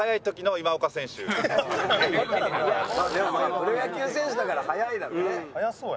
プロ野球選手だから速いだろうね。